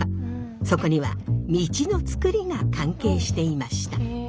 そこには道の作りが関係していました。